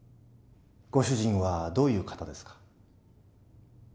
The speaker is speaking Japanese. ご主人はどういう方ですか？